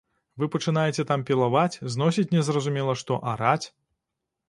Вы пачынаеце там пілаваць, зносіць незразумела што, араць.